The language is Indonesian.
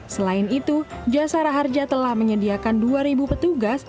selain itu jasara harja telah menyediakan dua petugas